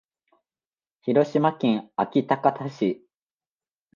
広島県安芸高田市